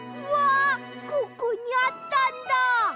うわここにあったんだ！